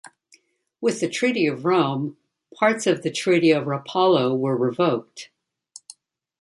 With the Treaty of Rome, parts of the Treaty of Rapallo were revoked.